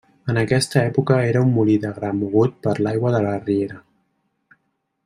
En aquesta època era un molí de gra mogut per l'aigua de la riera.